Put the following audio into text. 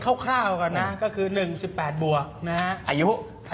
เกณฑ์เข้าก่อนนะก็คือ๑๑๘บวกนะครับ